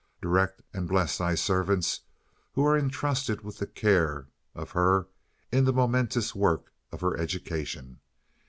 Direct and bless Thy servants who are intrusted with the care of her in the momentous work of her education.